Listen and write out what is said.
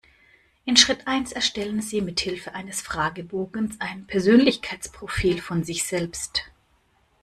In Schritt eins erstellen Sie mithilfe eines Fragebogens ein Persönlichkeitsprofil von sich selbst.